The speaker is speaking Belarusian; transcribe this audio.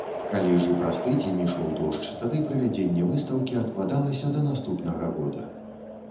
Калі ж і праз тыдзень ішоў дождж, тады правядзенне выстаўкі адкладалася да наступнага года.